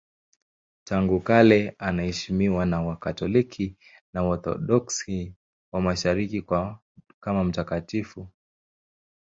Tangu kale anaheshimiwa na Wakatoliki na Waorthodoksi wa Mashariki kama mtakatifu.